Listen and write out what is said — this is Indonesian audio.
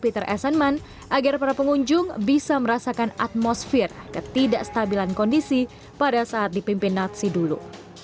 itu menyebabkan ketidak stabilan kondisi pada saat dipimpin nazi dulu